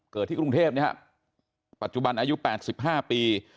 ที่กรุงเทพปัจจุบันอายุ๘๕ปี